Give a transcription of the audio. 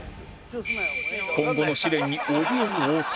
今後の試練におびえる太田